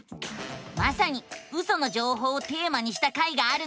まさにウソの情報をテーマにした回があるのさ！